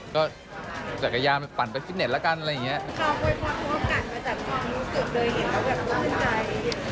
ก็จักรยานปั่นไปฟิตเนตแล้วกันอะไรอย่างนี้